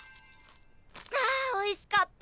あおいしかった。